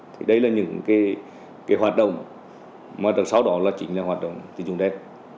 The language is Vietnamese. thì đấy là những cái hoạt động mà đặc sáu đó là chính là hoạt động tín dụng đen